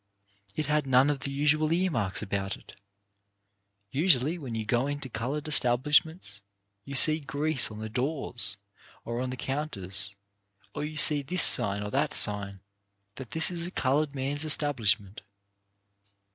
It had none of the usual earmarks about it. Usually when you go into coloured establishments you see grease on the doors or on the counters ; or you see this sign or that sign that this is a coloured man's estab lishment.